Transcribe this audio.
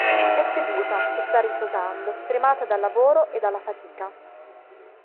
È seduta, che sta riposando, stremata dal lavoro e dalla fatica.